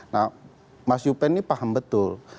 nah mas yupen ini paham betul